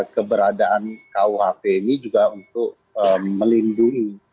keberadaan kuhp ini juga untuk melindungi